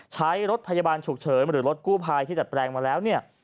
ใช้รถพยาบาลฉุกเฉินหรือรถกู้ภัยที่ดัดแปลงมาแล้วเนี่ย